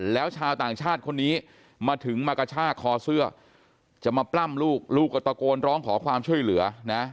แล้วชาวต่างชาติคนนี้มาถึงมากระชากคอเสื้อจะมาปล้ำลูกลูกก็ตะโกนร้องขอความช่วยเหลือนะ